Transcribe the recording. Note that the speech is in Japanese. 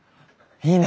いいね。